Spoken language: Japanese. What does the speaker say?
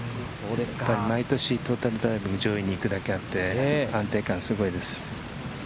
毎年、トータルランク上位に行くだけあって安定感がすごいです。